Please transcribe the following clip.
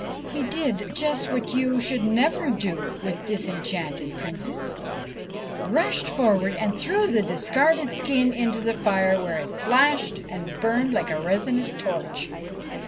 He did just what you should never do with disenchanted princes : rushed forward and threw the discarded skin into the fire, where it flashed and burned like a resinous torch.